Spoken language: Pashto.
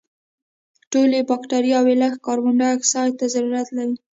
ټولې بکټریاوې لږ کاربن دای اکسایډ ته ضرورت لري.